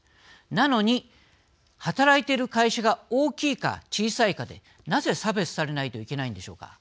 なのに働いている会社が大きいか、小さいかでなぜ、差別されないといけないんでしょうか。